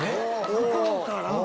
向こうから？